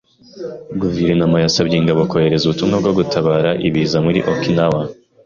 Guverinoma yasabye ingabo kohereza ubutumwa bwo gutabara ibiza muri Okinawa.